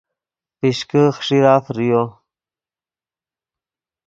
پیشکے خیݰیرہ فریو